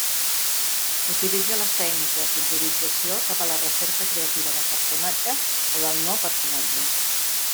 Utilitza les tècniques d'improvisació cap a la recerca creativa del personatge o del no-personatge.